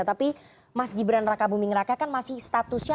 tapi mas gibran raka buming raka kan masih statusnya